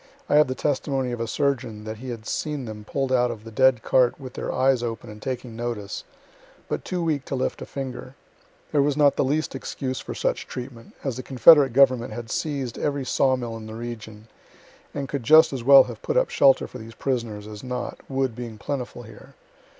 I have the testimony of a surgeon that he had seen them pull'd out of the dead cart with their eyes open and taking notice, but too weak to lift a finger. There was not the least excuse for such treatment, as the confederate government had seized every sawmill in the region, and could just as well have put up shelter for these prisoners as not, wood being plentiful here.